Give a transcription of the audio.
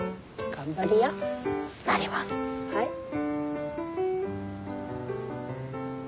はい。